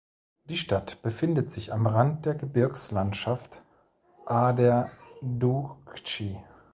Die Stadt befindet sich am Rand der Gebirgslandschaft Ader Doutchi.